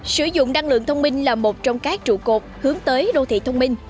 sử dụng năng lượng thông minh là một trong các trụ cột hướng tới đô thị thông minh